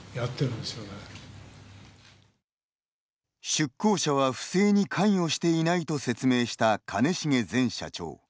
出向者は不正に関与していないと説明した兼重前社長。